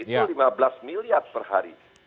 itu lima belas miliar per hari